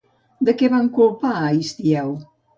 De què van culpar a Histieu?